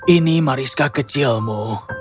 ini mariska kecilmu